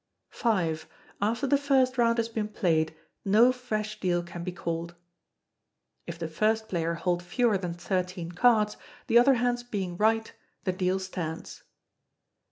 ] v. After the first round has been played, no fresh deal can be called. [If the first player hold fewer than thirteen cards, the other hands being right, the deal stands.